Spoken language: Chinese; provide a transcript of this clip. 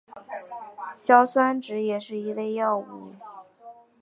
硝酸酯也是一类药物。